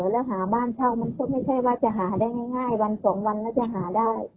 แล้วหาบ้านเช่ามันก็ไม่ใช่ว่าจะหาได้ง่ายวันสองวันแล้วจะหาได้